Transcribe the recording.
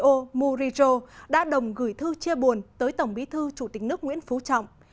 tổng bí thư nguyễn phú trọng đã đồng gửi thư chia buồn tới tổng bí thư chủ tịch nước nguyễn phú trọng